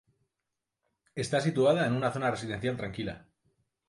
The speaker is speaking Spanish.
Está situada en una zona residencial tranquila.